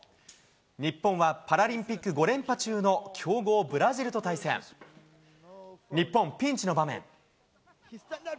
日本は、パラリンピック５連覇中の強豪ブラジルと対戦。日本、ピンチの場面。